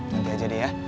nanti aja deh ya